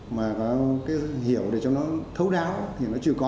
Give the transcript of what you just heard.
mà có cái hiểu để cho nó thấu đáo thì nó chưa có